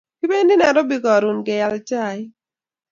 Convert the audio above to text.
Kibendi Narobi karun keyal chaik.